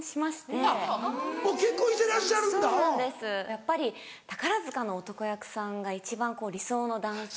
やっぱり宝塚の男役さんが一番理想の男性。